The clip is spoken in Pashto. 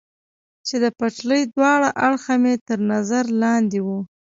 چې د پټلۍ دواړه اړخه مې تر نظر لاندې و.